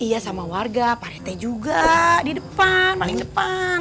iya sama warga parete juga di depan paling depan